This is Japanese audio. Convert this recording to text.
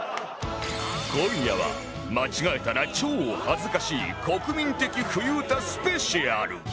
今夜は間違えたら超恥ずかしい国民的冬うたスペシャル